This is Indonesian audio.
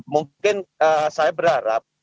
mungkin saya berharap